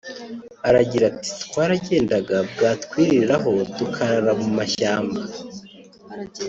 Aragira ati “Twaragendaga bwatwiriraho tukarara mu mashyamba